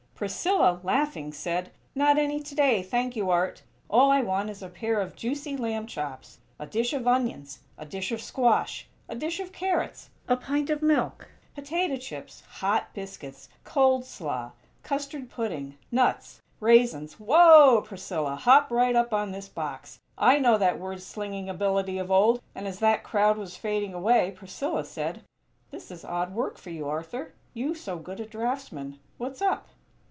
Priscilla, laughing, said: "Not any today, thank you, Art! All I want is a pair of juicy lamb chops a dish of onions a dish of squash a dish of carrots a pint of milk potato chips hot biscuits cold slaw custard pudding nuts raisins " "Whoa, Priscilla! Hop right up on this box! I know that word slinging ability of old" and as that crowd was fading away, Priscilla said: "This is odd work for you, Arthur; you so good a draughtsman. What's up?"